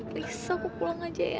periksa aku pulang aja ya